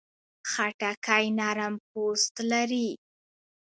خټکی نرم پوست لري.